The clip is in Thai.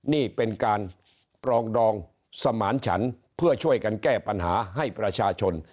นี่เป็นการปรองดองสมานฉันเพื่อช่วยกันแก้ปัญหาให้ประชาชน